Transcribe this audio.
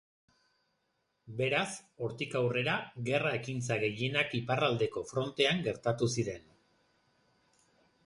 Beraz, hortik aurrera gerra ekintza gehienak iparraldeko frontean gertatu ziren.